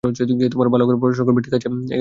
ভালো করে পড়াশুনা করবি, ঠিক আছে?